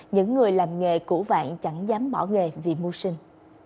những người làm nghề củ vàng chẳng dám bỏ nghề vì mua sinh